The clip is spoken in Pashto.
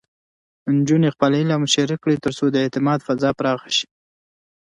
نجونې خپل علم شریک کړي، ترڅو د اعتماد فضا پراخه شي.